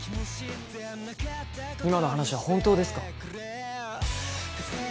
今の話は本当ですか？